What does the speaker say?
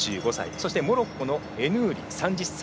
そしてモロッコのエヌーリ３０歳。